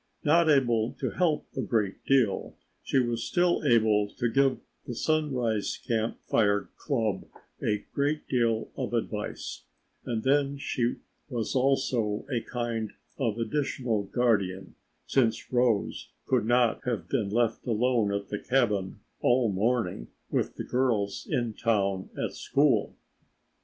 Not able to help a great deal, she was still able to give the Sunrise Camp Fire club a great deal of advice, and then she was also a kind of additional guardian since Rose could not have been left alone at the cabin all morning with the girls in town at school.